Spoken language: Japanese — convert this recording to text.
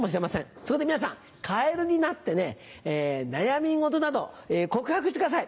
そこで皆さんカエルになってね悩み事など告白してください。